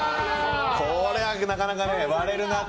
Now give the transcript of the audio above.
これはなかなか割れるなって。